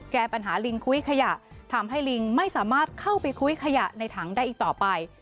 แก้ปัญหาลิงคุ้ยขยะทำให้ลิงไม่สามารถเข้าไปคุ้ยขยะในถังได้อีกต่อไป